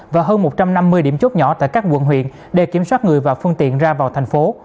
và hơn một trăm năm mươi điểm chốt nhỏ tại các quận huyện để kiểm soát người và phương tiện ra vào thành phố